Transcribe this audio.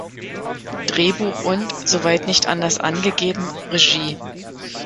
Drehbuch und, soweit nicht anders angegeben, Regie